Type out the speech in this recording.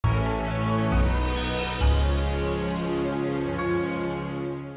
kisah kisah yang terjadi dalam video ini